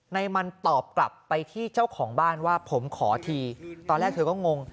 ในมันตอบกลับไปที่เจ้าของบ้านว่าผมขอทีตอนแรกเธอก็งง